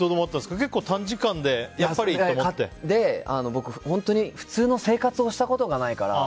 結構、短時間で僕、普通の生活をしたことがないから。